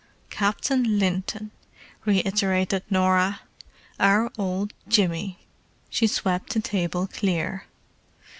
"Captain Linton!" reiterated Norah. "Our old Jimmy!" She swept the table clear.